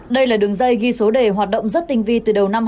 đây là đường dây ghi số đề hoạt động rất tinh vi từ đầu năm hai nghìn